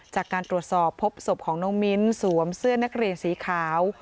จากการตรวจสอบพบศพของน้องมิ้นสวมเสื้อนักเรียนสีขาว